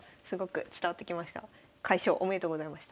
快勝おめでとうございました。